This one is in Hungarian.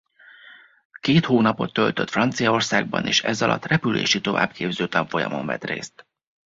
Két hónapot töltött Franciaországban és ezalatt repülési továbbképző tanfolyamon vett részt.